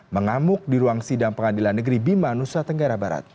mengamuk di ruang sidang pengadilan negeri bima nusa tenggara barat